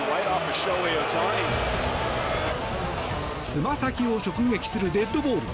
つま先を直撃するデッドボール。